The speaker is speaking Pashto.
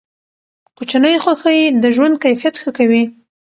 کوچني خوښۍ د ژوند کیفیت ښه کوي.